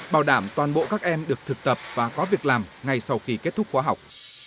bảo đảm toàn bộ các em được thực tập và có việc làm ngay sau khi kết thúc khóa học